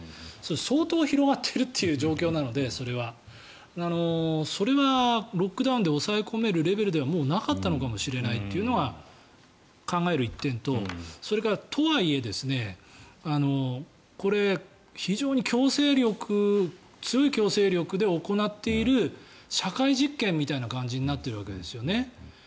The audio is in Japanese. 相当広がっている状況なのでそれは。それはロックダウンで抑え込むレベルではもう、なかったのかもしれないというのが考える１点とそれからとはいえ、これ、非常に強い強制力で行っている社会実験みたいな感じになっているわけですよね。